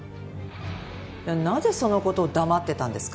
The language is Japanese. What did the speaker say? なぜその事を黙ってたんですか？